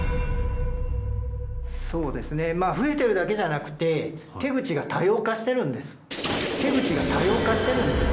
そうですねまあ増えてるだけじゃなくて「手口が多様化」？